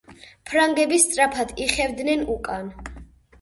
ფრანგები სწრაფად იხევდნენ უკან.